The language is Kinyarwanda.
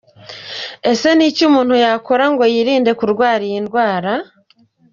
Ese ni iki umuntu yakora ngo yirinde kurwara iyi ndwara?.